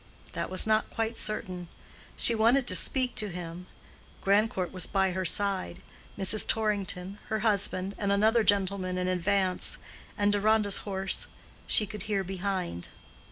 That was not quite certain. She wanted to speak to him. Grandcourt was by her side; Mrs. Torrington, her husband, and another gentleman in advance; and Deronda's horse she could hear behind.